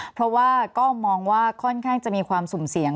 เพราะว่าก็มองว่าค่อนข้างจะมีความสุ่มเสี่ยง